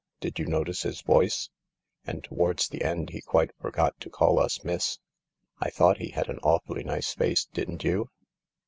Did you notice his voice ? And towards the end he quite forgot to call us ' miss.' I thought he had an awfully nice face, didn't you